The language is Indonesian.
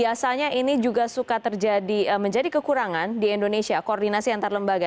biasanya ini juga suka terjadi menjadi kekurangan di indonesia koordinasi antar lembaga